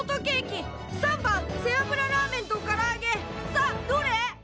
さあどれ？